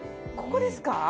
ここですか？